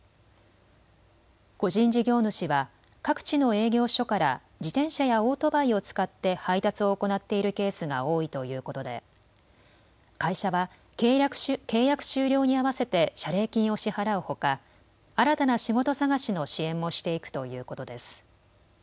個人事業主は各地の営業所から自転車やオートバイを使って配達を行っているケースが多いということで会社は契約終了に合わせて謝礼金を支払うほか新たな仕事探しの支援もしていくということです。